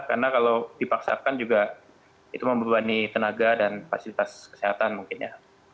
karena kalau dipaksakan juga itu membebani tenaga dan fasilitas kesehatan mungkin ya